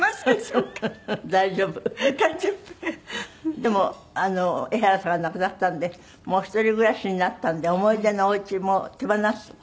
でも江原さんが亡くなったんでもう一人暮らしになったんで思い出のお家も手放す事にしたんですって？